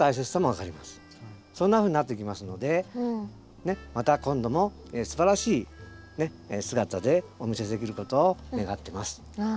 そんなふうになっていきますのでねっまた今度もすばらしい姿でお見せできることを願ってます。